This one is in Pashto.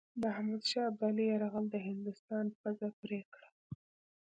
د احمدشاه ابدالي یرغل د هندوستان پزه پرې کړه.